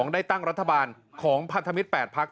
ได้ตั้งรัฐบาลของพันธมิตร๘พัก